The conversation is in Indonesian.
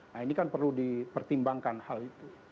nah ini kan perlu dipertimbangkan hal itu